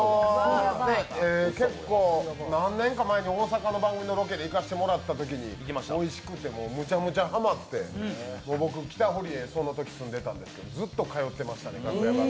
結構何年か前に大阪の番組のロケで行かせてもらったときおいしくてむちゃむちゃハマって僕、北堀江、そのとき住んでいたんですけど、ずっと通ってましたね。